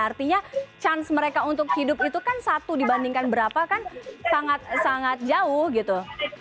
artinya chance mereka untuk hidup itu kan satu dibandingkan berapa kan sangat sangat jauh gitu